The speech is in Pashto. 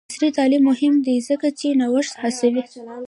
عصري تعلیم مهم دی ځکه چې نوښت هڅوي.